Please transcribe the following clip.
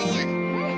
うん！